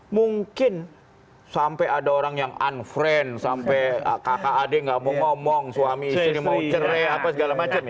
mungkin sampai ada orang yang unfriend sampai kakak adik nggak mau ngomong suami istri mau cerai apa segala macam